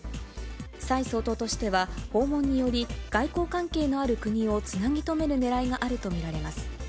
蔡総統としては、訪問により、外交関係のある国をつなぎ止めるねらいがあると見られます。